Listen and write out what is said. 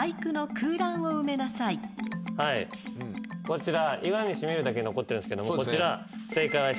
こちら「岩にしみいる」だけ残ってるんですけども正解は。